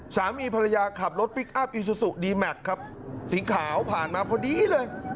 สามีภรรยาขับรถพลิกอัพอีซูซูดีแม็กซ์ครับสีขาวผ่านมาพอดีเลย